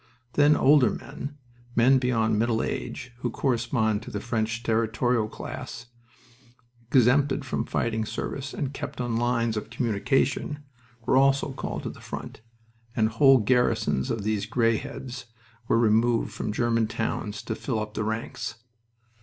Then older men, men beyond middle age, who correspond to the French Territorial class, exempted from fighting service and kept on lines of communication, were also called to the front, and whole garrisons of these gray heads were removed from German towns to fill up the ranks.